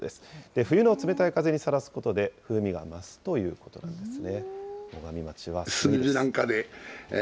冬の冷たい風にさらすことで、風味が増すということですね。